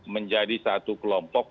menjadi satu kelompok